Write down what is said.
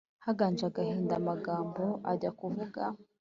Haganje agahindaAmagambo ajya kuvuga